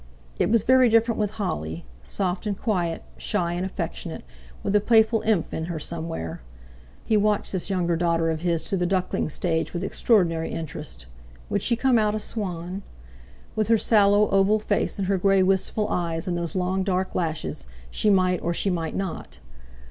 It was very different with Holly, soft and quiet, shy and affectionate, with a playful imp in her somewhere. He watched this younger daughter of his through the duckling stage with extraordinary interest. Would she come out a swan? With her sallow oval face and her grey wistful eyes and those long dark lashes, she might, or she might not.